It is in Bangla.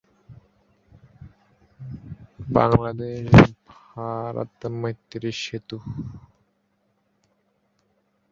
বিয়ের পরে তিনি চিত্রা জহির নামে পরিচিতি লাভ করেন।